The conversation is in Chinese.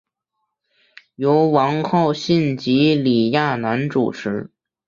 由王浩信及李亚男主持。